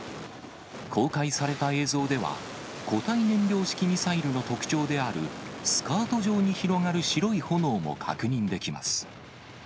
公開された映像では、固体燃料式ミサイルの特徴である、スカート状に広がる白い炎も確認できます。